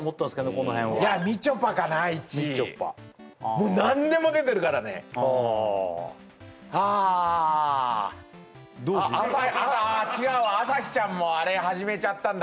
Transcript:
この辺はいやみちょぱかな１位もう何でも出てるからねはあ朝ああ違うわ朝日ちゃんも始めちゃったんだ